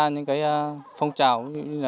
những phong trào